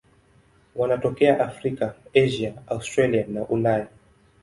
Wanatokea Afrika, Asia, Australia na Ulaya.